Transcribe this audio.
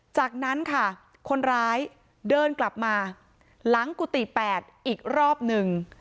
จากนั้นค่ะคนร้ายเดินกลับมาหลังกุฏิ๘อีกรอบหนึ่ง